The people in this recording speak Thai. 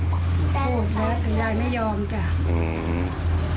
พูดซะแต่ยายไม่ยอมจ้ะอืม